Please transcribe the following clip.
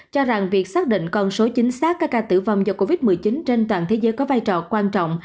cho rằng việc xác định con số chính xác các ca tử vong do covid một mươi chín trên toàn thế giới có vai trò quan trọng